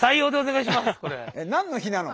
何の碑なの？